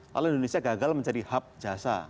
lalu indonesia gagal menjadi hub jasa